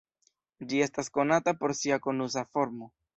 Ĝi estas konata por sia konusa formo.